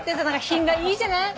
品がいいじゃない。